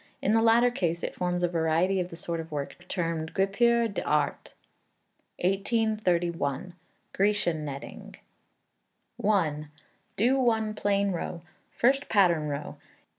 In the latter case it forms a variety of the sort of work termed guipure d'Art. 1831. Grecian Netting. i. Do one plain row. First pattern row.